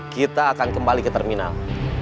kita akan kembali ke terminal